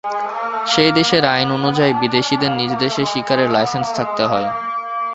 সেই দেশের আইন অনুযায়ী বিদেশিদের নিজ দেশে শিকারের লাইসেন্স থাকতে হয়।